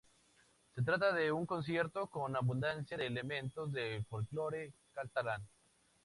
Se trata de un concierto con abundancia de elementos del folclore catalán.